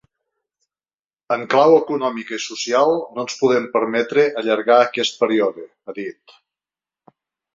En clau econòmica i social no ens podem permetre allargar aquest període, ha dit.